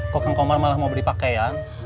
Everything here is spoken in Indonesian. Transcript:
kokang komar malah mau beli pakaian